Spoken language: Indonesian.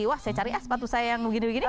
wah saya cari eh sepatu saya yang begini begini